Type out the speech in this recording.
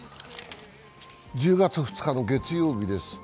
１０月２日の月曜日です。